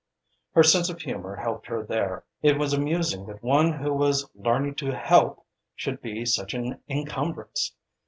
Her sense of humour helped her there. It was amusing that one who was learning to "help" should be such an encumbrance.